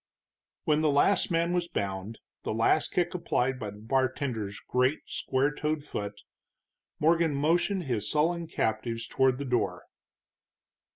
When the last man was bound, the last kick applied by the bartender's great, square toed foot, Morgan motioned his sullen captives toward the door.